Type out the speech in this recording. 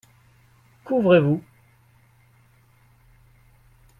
Qu’ouvrez-vous ?